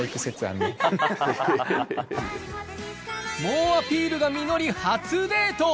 猛アピールが実り初デート